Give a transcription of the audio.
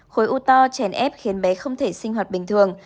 khối u to chèn ép khiến bé không thể sinh hoạt bình thường